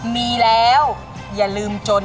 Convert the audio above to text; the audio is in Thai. มีแล้วอย่าลืมจน